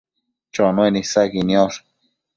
Chonuen isaqui niosh